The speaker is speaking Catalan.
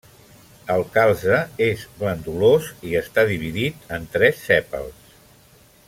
El calze és glandulós i està dividit en tres sèpals.